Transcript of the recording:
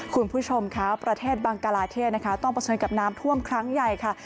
คุณผู้ชมคะประเทศบังกลาเทศนะคะต้องเผชิญกับน้ำท่วมครั้งใหญ่ค่ะ